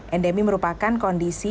endemi merupakan kondisi